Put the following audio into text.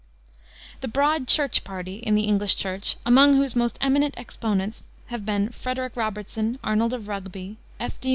The Broad Church party, in the English Church, among whose most eminent exponents have been Frederic Robertson, Arnold of Rugby, F. D.